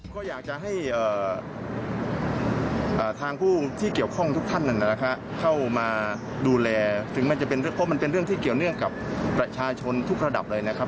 ก็อยากจะให้ทางผู้ที่เกี่ยวข้องทุกท่านเข้ามาดูแลถึงมันจะเป็นเพราะมันเป็นเรื่องที่เกี่ยวเนื่องกับประชาชนทุกระดับเลยนะครับ